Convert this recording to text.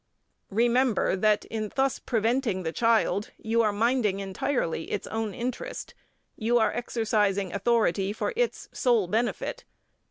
Remember that, in thus preventing the child, you are minding entirely its own interest, you are exercising authority for its sole benefit.